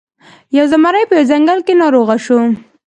یو زمری په یوه ځنګل کې ناروغ شو.